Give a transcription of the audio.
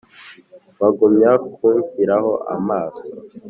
Bagumya kunshyiraho amaso